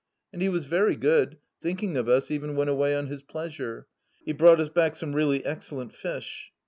And he was very good, thinking of us, even when away on his pleasure ; he brought us back some really excellent fish.